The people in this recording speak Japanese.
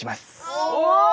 お！